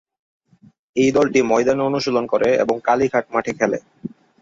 এই দলটি ময়দানে অনুশীলন করে এবং কালীঘাট মাঠে খেলে।